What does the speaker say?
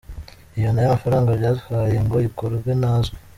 Iyi nayo amafaranga byatwaye ngo ikorwe ntazwi.